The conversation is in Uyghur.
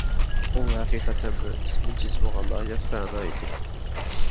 ئۇ ھەقىقەتەنمۇ ئىسمى-جىسمىغا لايىق رەنا ئىدى.